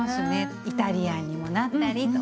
イタリアンにもなったりとか。